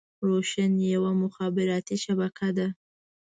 روشن يوه مخابراتي شبکه ده.